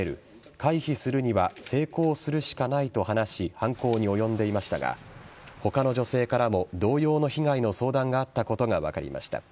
回避するには性交するしかないと話し犯行に及んでいましたが他の女性からも同様の被害の相談があったことが分かりました。